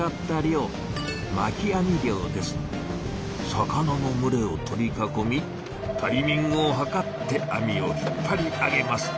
魚のむれを取り囲みタイミングを図って網を引っぱり上げます。